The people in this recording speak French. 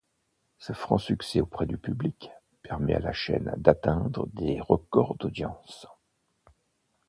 Ce franc succès auprès du public, permet à la chaîne d'atteindre des records d'audiences.